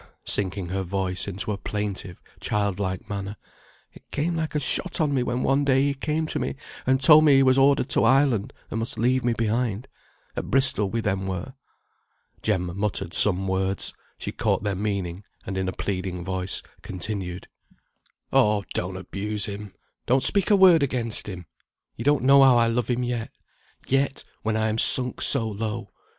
sinking her voice into a plaintive child like manner. "It came like a shot on me when one day he came to me and told me he was ordered to Ireland, and must leave me behind; at Bristol we then were." Jem muttered some words; she caught their meaning, and in a pleading voice continued, "Oh, don't abuse him; don't speak a word against him! You don't know how I love him yet; yet, when I am sunk so low.